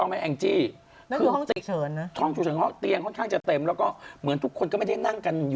แล้วเจ็บด้วยหลายคนแม่ก็คงแบบ